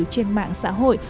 trên mạng xã hội